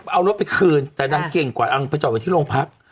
เอารถไปคืนแต่นางเก่งกว่าอังไปจอดไว้ที่โรงพัก